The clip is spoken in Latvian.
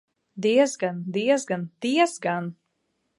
Diezgan, diezgan, diezgan!